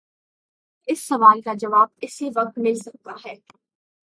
اس سوال کا جواب اسی وقت مل سکتا ہے۔